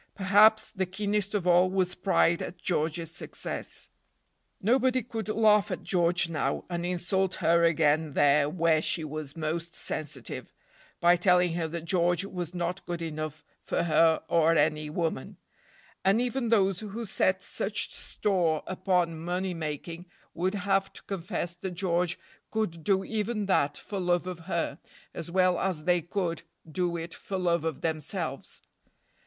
Perhaps the keenest of all was pride at George's success. Nobody could laugh at George now, and insult her again there where she was most sensitive, by telling her that George was not good enough for her or any woman; and even those who set such store upon money making would have to confess that George could do even that for love of her, as well as they could do it for love of themselves.